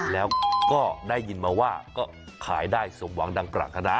แล้วก็ได้ยินมาว่าก็ขายได้สมหวังดังปรารถนา